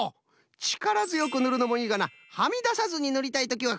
ちからづよくぬるのもいいがなはみださずにぬりたいときはこのね